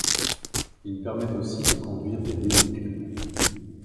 Il permet aussi de conduire des véhicules.